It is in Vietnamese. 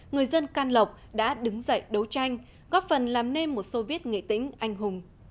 người dân can lộc đã đứng dậy đấu tranh góp phần làm nên một soviet nghệ tĩnh anh hùng